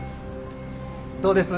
どうです？